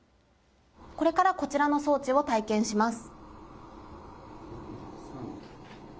これからこちらの装置を体験します。